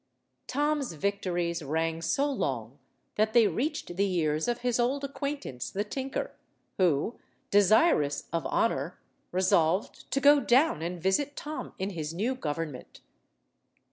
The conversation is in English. Tom's victories rang so long that they reached the ears of his old acquaintance the tinker, who, desirous of honour, resolved to go down and visit Tom in his new government.